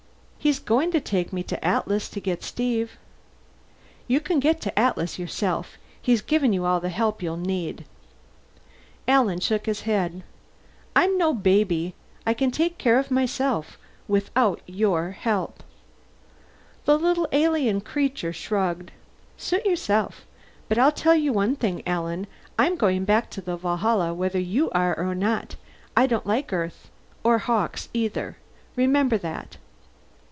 "He's going to take me to the Atlas to get Steve." "You can get to the Atlas yourself. He's given you all the help you'll need." Alan shook his head. "I'm no baby. I can take care of myself, without your help." The little alien creature shrugged. "Suit yourself. But I'll tell you one thing, Alan: I'm going back to the Valhalla, whether you are or not. I don't like Earth, or Hawkes either. Remember that."